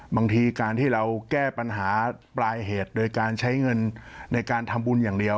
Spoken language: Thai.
บางทีการที่เราแก้ปัญหาปลายเหตุโดยการใช้เงินในการทำบุญอย่างเดียว